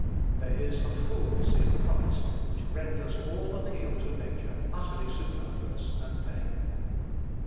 There is a fulness in Christ which renders all appeal to nature utterly superfluous and vain.